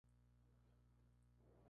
Es publicado por Deep Silver.